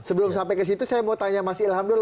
sebelum sampai ke situ saya mau tanya mas ilhamdul